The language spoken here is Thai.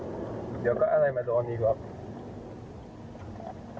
เดี๋ยวก็อะไรมาโดนดีกว่า